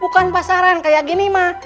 bukan pasaran kayak gini mah